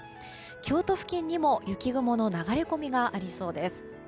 京都付近にも雪雲の流れ込みがありそうです。